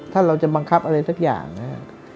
ถ้าเราจะบังคับอะไรสักอย่างนะครับ